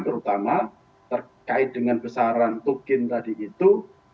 terutama terkait dengan besaran tukin tadi itu